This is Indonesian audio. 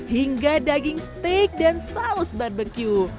hingga daging steak dan saus barbecue